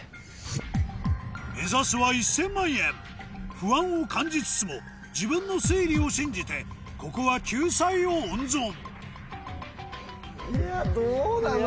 目指すは１０００万円不安を感じつつも自分の推理を信じてここは救済を温存いやどうなの？